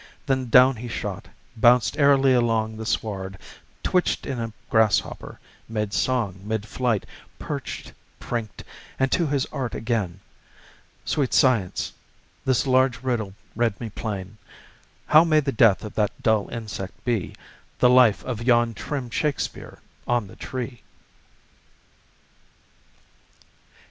Then down he shot, bounced airily along The sward, twitched in a grasshopper, made song Midflight, perched, prinked, and to his art again. Sweet Science, this large riddle read me plain: How may the death of that dull insect be The life of yon trim Shakespeare on the tree?